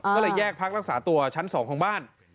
ก็เลยแยกพักรักษาตัวชั้น๒ของบ้าน